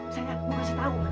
sayang aku masih tahu